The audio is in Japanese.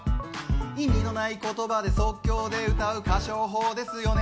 意味のない言葉で即興で歌う歌唱法ですよね